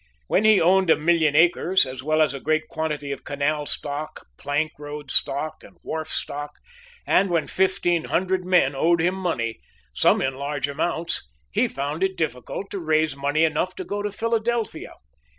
When he owned a million acres, as well as a great quantity of canal stock, plank road stock, and wharf stock, and when fifteen hundred men owed him money, some in large amounts, he found it difficult to raise money enough to go to Philadelphia.